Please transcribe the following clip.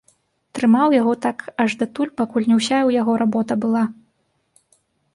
Трымаў яго так аж датуль, пакуль не ўся ў яго работа была.